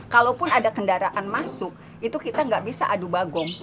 kalaupun ada kendaraan masuk itu kita nggak bisa adu bagong